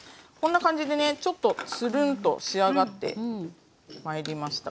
こんな感じでねちょっとつるんと仕上がってまいりました。